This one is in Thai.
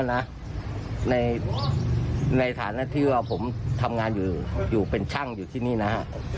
คนร้ายเนี่ยผมอะนะในฐานะที่ว่าผมทำงานอยู่เป็นช่างอยู่ที่นี่นะฮะ